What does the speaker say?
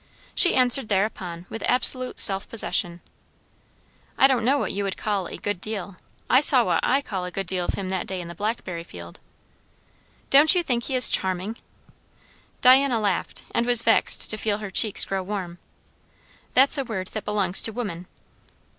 She answered thereupon with absolute self possession, "I don't know what you would call a 'good deal.' I saw what I call a good deal of him that day in the blackberry field." "Don't you think he is charming?" Diana laughed, and was vexed to feel her cheeks grow warm. "That's a word that belongs to women."